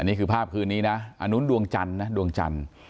อันนี้คือภาพคืนนี้นะอันนู้นดวงจันทร์นะ